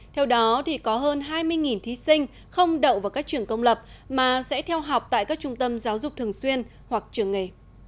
theo đó có hơn hai mươi thí sinh không đậu vào các trường công lập mà sẽ theo học tại các trung tâm giáo dục thường xuyên hoặc trường nghề